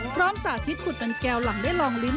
พร้อมสาธิตกุ่ดมันแก้วหลัง